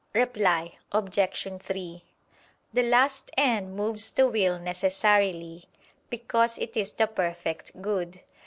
Reply Obj. 3: The last end moves the will necessarily, because it is the perfect good.